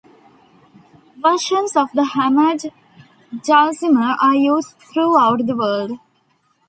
Versions of the hammered dulcimer are used throughout the world.